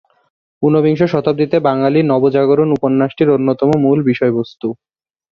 ঊনবিংশ শতাব্দীতে বাঙালির নবজাগরণ উপন্যাসটির অন্যতম মূল বিষয়বস্তু।